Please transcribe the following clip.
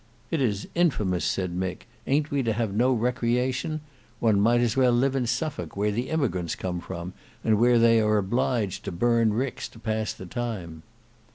"It is infamous," said Mick; "aynt we to have no recreation? One might as well live in Suffolk, where the immigrants come from, and where they are obliged to burn ricks to pass the time."